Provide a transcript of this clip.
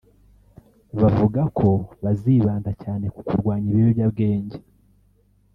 Bavuga ko bazibanda cyane ku kurwanya ibiyobyabwenge